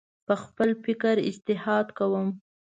په خپل فکر اجتهاد کوم